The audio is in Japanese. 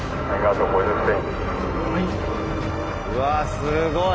うわすごい！